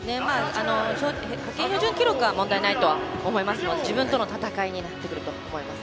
派遣標準記録は問題ないと思いますが自分との闘いになってくると思います